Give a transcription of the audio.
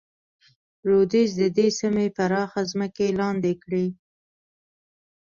رودز د دې سیمې پراخه ځمکې لاندې کړې.